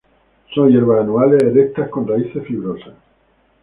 Son hierbas anuales, erectas, con raíces fibrosas.